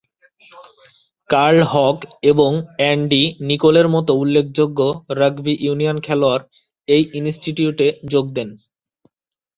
Curl Hogg এবং Andy নিকোলের মতো উল্লেখযোগ্য রাগবি ইউনিয়ন খেলোয়াড় এই ইনস্টিটিউটে যোগ দেন।